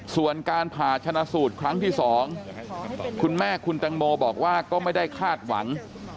ส่วนการผ่าชนะสูตรครั้งที่๒คุณแม่คุณตังโมบอกว่าก็ไม่ได้คาดหวัง